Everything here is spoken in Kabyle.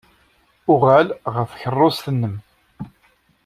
Uɣal ɣer tkeṛṛust-nnem!